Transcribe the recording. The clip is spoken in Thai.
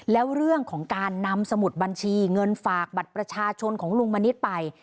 แล้วเรื่องของการนำสมุดบัญชีเงินฝากบัตรประชาชนของลุงมณิษฐ์ไป